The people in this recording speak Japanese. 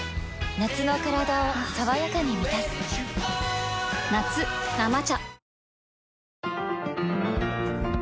夏のカラダを爽やかに満たす夏「生茶」